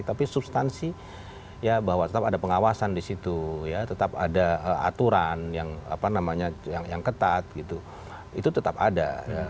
tapi substansi ya bahwa tetap ada pengawasan di situ tetap ada aturan yang ketat gitu itu tetap ada